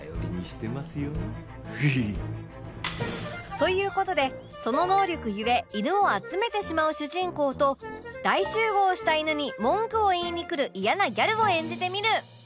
という事でその能力ゆえ犬を集めてしまう主人公と大集合した犬に文句を言いにくる嫌なギャルを演じてみる